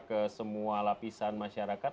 ke semua lapisan masyarakat